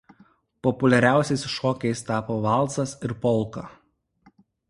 Populiariausiais šokiais tapo valsas ir polka.